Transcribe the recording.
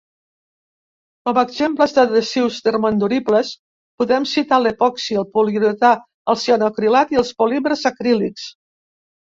Com a exemples d'adhesius termoenduribles podem citar l'epoxi, el poliuretà, el cianoacrilat i els polímers acrílics.